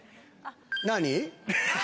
何？